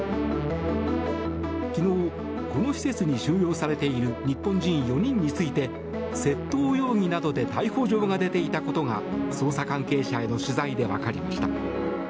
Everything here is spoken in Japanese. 昨日、この施設に収容されている日本人４人について窃盗容疑などで逮捕状が出ていたことが捜査関係者への取材で分かりました。